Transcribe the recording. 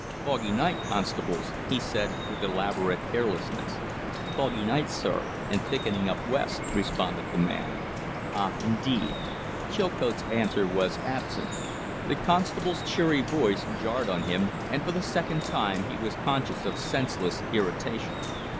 "Foggy night, constables," he said, with elaborate carelessness. "Foggy night, sir, and thickening up west," responded the man. "Ah, indeed!" Chilcote's answer was absent. The constable's cheery voice jarred on him, and for the second time he was conscious of senseless irritation.